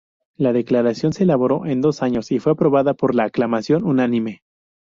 La Declaración se elaboró en dos años y fue aprobada por aclamación unánime.